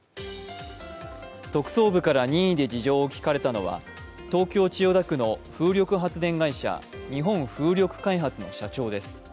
特捜部から任意で事情を聴かれたのは東京・千代田区の風力発電会社、日本風力開発の社長です。